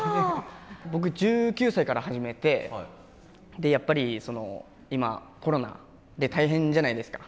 僕１９歳から始めてやっぱりその今コロナで大変じゃないですか。